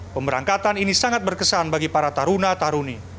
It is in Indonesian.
pemberangkatan ini sangat berkesan bagi para taruna taruni